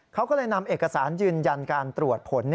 เขาก็เลยนำเอกสารยืนยันการตรวจผล